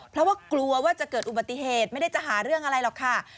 เพราะว่ากลัวว่าจะเกิดอุบัติเหตุไม่ได้จะหาเรื่องอะไรหรอกค่ะ